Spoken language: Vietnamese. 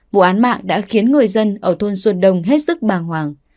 vụ án mạng đã khiến người dân ở thôn xuân đông hết sức bàng hoàng